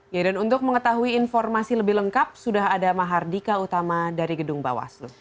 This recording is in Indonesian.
ya dan untuk mengetahui informasi lebih lengkap sudah ada mahardika utama dari gedung bawaslu